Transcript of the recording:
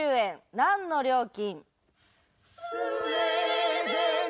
何の料金？